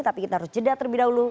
tapi kita harus jeda terlebih dahulu